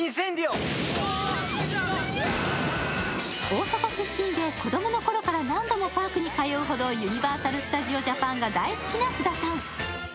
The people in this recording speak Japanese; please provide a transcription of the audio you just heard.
大阪出身で子供のころから何度もパークに通うほどユニバーサル・スタジオ・ジャパンが大好きな菅田さん。